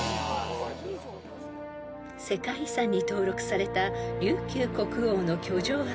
［世界遺産に登録された琉球国王の居城跡］